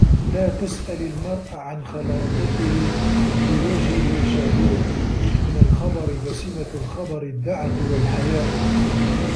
لَا تَسْأَلْ الْمَرْءَ عَنْ خَلَائِقِهِ فِي وَجْهِهِ شَاهِدٌ مِنْ الْخَبَرِ فَسِمَةُ الْخَيْرِ الدَّعَةُ وَالْحَيَاءُ